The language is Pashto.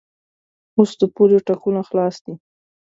اوس د پولې ټکونه خلاص دي.